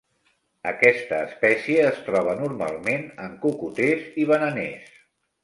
Aquesta espècie es troba normalment en cocoters i bananers.